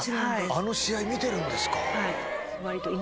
あの試合見てるんですか。